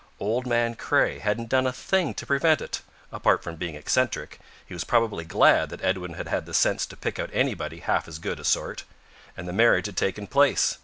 Old man Craye hadn't done a thing to prevent it apart from being eccentric, he was probably glad that Edwin had had the sense to pick out anybody half as good a sort and the marriage had taken place.